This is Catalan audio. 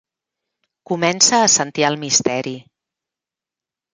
Comença a sentir el misteri.